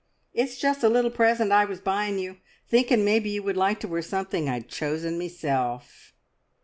"It's just a little present I was buying you, thinking maybe you would like to wear something I'd chosen meself."